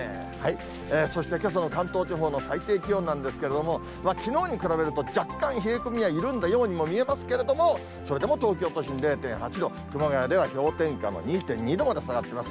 そしてけさの関東地方の最低気温なんですけれども、きのうに比べると若干冷え込みは緩んだようにも見えますけれども、それでも東京都心０．８度、熊谷では氷点下の２．２度まで下がっています。